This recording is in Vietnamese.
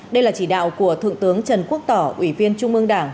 đây là chỉ đạo của thượng tướng trần quốc tỏ ủy viên trung ương đảng